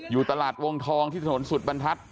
อยู่ตลาดวงทองที่ถนนสุดบรรทัศน